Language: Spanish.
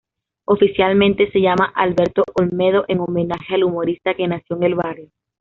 Oficialmente se llama Alberto Olmedo, en homenaje al humorista que nació en el barrio.